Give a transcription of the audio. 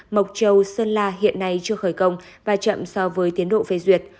mộc châu sơn la hiện nay chưa khởi công và chậm so với tiến độ phê duyệt